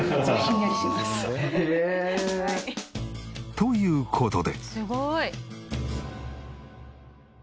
という事で。